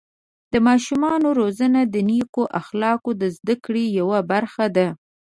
د ماشومانو روزنه د نیکو اخلاقو د زده کړې یوه برخه ده.